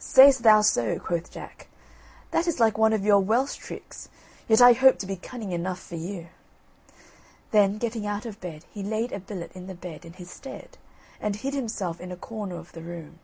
"Say'st thou so," quoth Jack; "that is like one of your Welsh tricks, yet I hope to be cunning enough for you." Then, getting out of bed, he laid a billet in the bed in his stead, and hid himself in a corner of the room.